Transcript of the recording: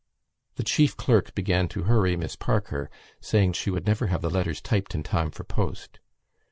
The chief clerk began to hurry Miss Parker, saying she would never have the letters typed in time for post.